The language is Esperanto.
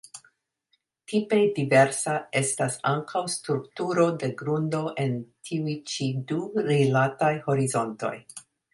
Tipe diversa estas ankaŭ strukturo de grundo en tiuj ĉi du rilataj horizontoj.